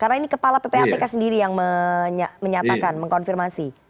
karena ini kepala ppatk sendiri yang menyatakan mengkonfirmasi